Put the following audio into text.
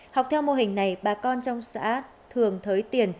học theo mô hình này bà con trong xã thường thới tiền